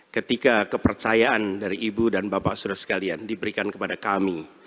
ketika kepercayaan dari ibu dan bapak saudara sekalian diberikan kepada kami